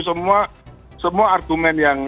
semua semua argumen yang